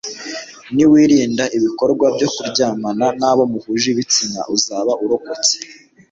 niwirinda ibikorwa byo kuryamana n'abo muhuje igitsina uzaba urokotse